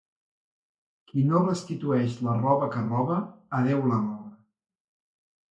Qui no restitueix la roba que roba, a Déu la roba.